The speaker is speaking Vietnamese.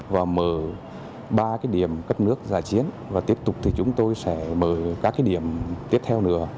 và mở ba cái điểm cấp nước giải chiến và tiếp tục thì chúng tôi sẽ mở các cái điểm tiếp theo nữa